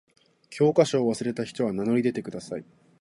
教科書を忘れた人は名乗り出てください。